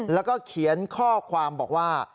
แล้วก็เขียนข้อความบอกว่า